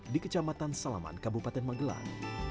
di kecamatan salaman kabupaten magelang